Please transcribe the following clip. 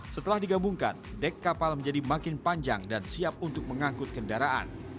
setelah digabungkan dek kapal menjadi makin panjang dan siap untuk mengangkut kendaraan